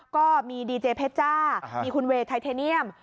ก็มีดีเจเพชจ้ามีคุณเวย์ไทเทเนียม